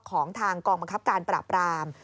ของทางกองบังคับการปราบราม